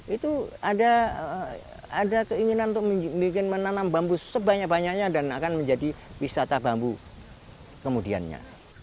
itu ada keinginan untuk menanam bambu sebanyak banyaknya dan akan menjadi wisata bambu kemudiannya